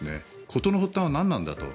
事の発端は何なんだと。